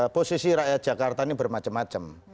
posisi rakyat jakarta ini bermacam macam